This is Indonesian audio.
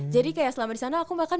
jadi kayak selama di sana aku makan